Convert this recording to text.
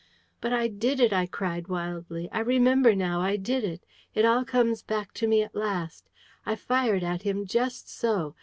"But I did it!" I cried wildly. "I remember now, I did it. It all comes back to me at last. I fired at him, just so.